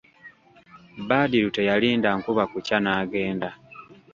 Badru teyalinda nkuba kukya n'agenda.